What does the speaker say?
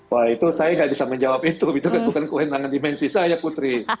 wah itu saya nggak bisa menjawab itu itu bukan kewenangan dimensi saya putri